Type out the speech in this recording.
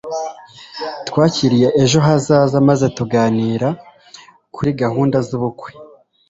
twakiriye ejo hazaza maze tuganira kuri gahunda z'ubukwe